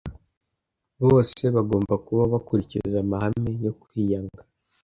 Bose bagomba kubaho bakurikiza amahame yo kwiyanga.